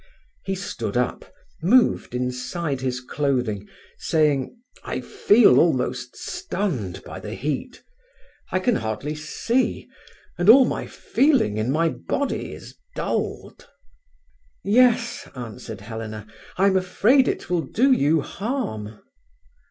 He stood up, moved inside his clothing, saying: "I feel almost stunned by the heat. I can hardly see, and all my feeling in my body is dulled." "Yes," answered Helena, "I am afraid it will do you harm."